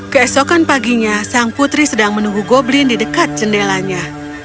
keesokan paginya sang putri sedang menunggu goblin di dekat jendelanya